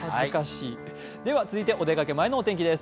続いて、お出かけ前のお天気です。